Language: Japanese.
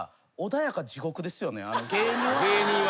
芸人は。